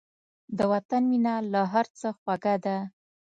د وطن مینه له هر څه خوږه ده.